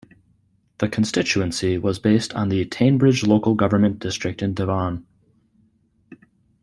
The constituency was based on the Teignbridge local government district in Devon.